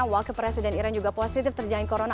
wakil presiden iran juga positif terjang corona